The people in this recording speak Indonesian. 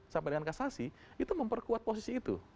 sampai dengan kasasi itu memperkuat posisi itu